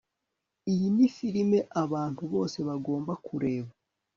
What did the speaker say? Iyi ni firime abantu bose bagomba kureba